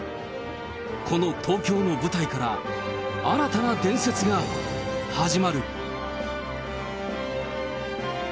この東京の舞台から、新たな伝説が始まる。